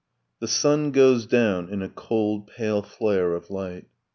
The sun goes down in a cold pale flare of light.